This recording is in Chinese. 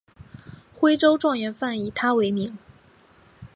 徽州状元饭以他为名。